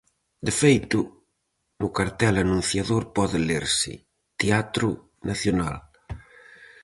De feito, no cartel anunciador pode lerse: Teatro Nacional.